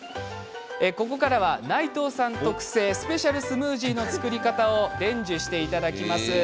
ここからは内藤さん特製スペシャルスムージーの作り方を伝授していただきます。